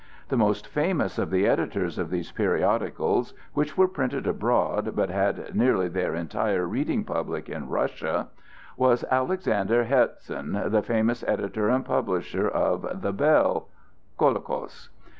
The most famous of the editors of these periodicals (which were printed abroad, but had nearly their entire reading public in Russia) was Alexander Herzen, the famous editor and publisher of "The Bell" (Kolokos).